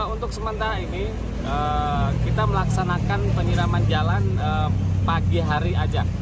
untuk sementara ini kita melaksanakan penyiraman jalan pagi hari aja